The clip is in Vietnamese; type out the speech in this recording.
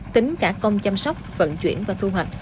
tính cả công chăm sóc vận chuyển và thu hoạch